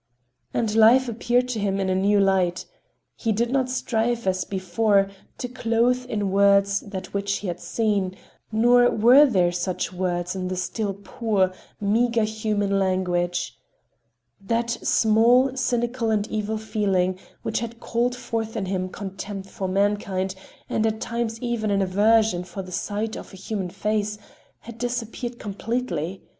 And life appeared to him in a new light. He did not strive, as before, to clothe in words that which he had seen; nor were there such words in the still poor, meager human language. That small, cynical and evil feeling which had called forth in him a contempt for mankind and at times even an aversion for the sight of a human face, had disappeared completely.